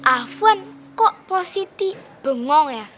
ahwan kok mpok siti bengong ya